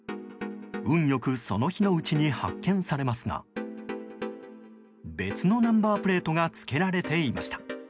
運良く、その日のうちに発見されますが別のナンバープレートが付けられていました。